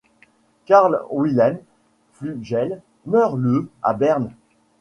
Karl Wilhelm Flügel meurt le à Berne.